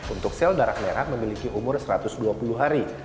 untuk sel darah merah memiliki umur satu ratus dua puluh hari